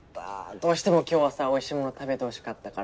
どうしても今日はさおいしいもの食べてほしかったから。